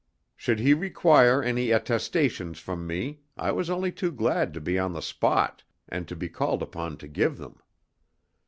Should he require any attestations from me, I was only too glad to be on the spot and to be called upon to give them.